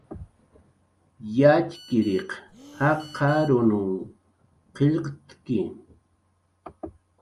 Yatxchiriq jaqarunw qillqt'ki